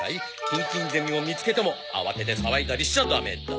キンキンゼミを見つけても慌てて騒いだりしちゃダメだ。